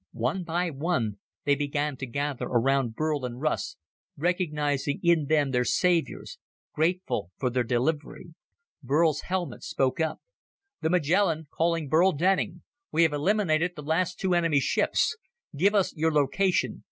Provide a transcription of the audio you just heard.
One by one, they began to gather around Burl and Russ, recognizing in them their saviors, grateful for their delivery. Burl's helmet radio spoke up. "The Magellan calling Burl Denning! We have eliminated the last two enemy ships. Give us your location.